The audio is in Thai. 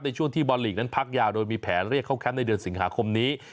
ในช่วงที่บอลลีกนั้นพักยาวโดยมีแผนเรียกเข้าแคมป์ในเดือนสิงหาคมนี้